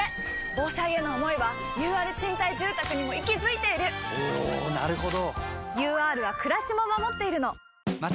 防災への想いはＵＲ賃貸住宅にも息づいているおなるほど！